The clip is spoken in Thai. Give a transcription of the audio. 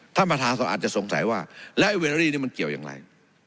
ท่านประธานก็อาจจะสงสัยว่าแล้วไอ้เวอรี่นี่มันเกี่ยวอย่างไร